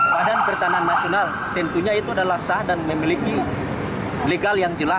badan pertahanan nasional tentunya itu adalah sah dan memiliki legal yang jelas